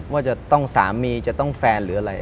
ว่าจะต้องสามีจะต้องแฟนหรืออะไร